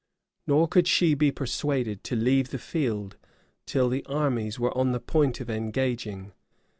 Nor could she be persuaded to leave the field, till the armies were on the point of engaging.